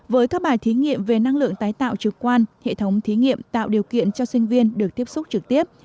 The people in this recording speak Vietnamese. với các bài thí nghiệm về năng lượng tái tạo trực quan hệ thống thí nghiệm tạo điều kiện cho sinh viên được tiếp xúc trực tiếp